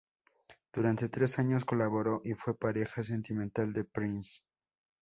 Durante tres años colaboró y fue pareja sentimental de Prince.